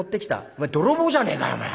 「おめえ泥棒じゃねえか。